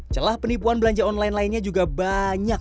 celah penipuan belanja online lainnya juga banyak